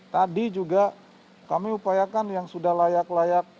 tadi juga kami upayakan yang sudah layak layak